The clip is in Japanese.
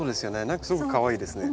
何かすごくかわいいですね。